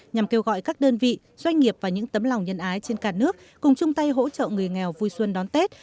nhằm kêu gọi các đơn vị doanh nghiệp và những tấm lòng nhân ái trên cả nước cùng chung tay hỗ trợ người nghèo vui xuân đón tết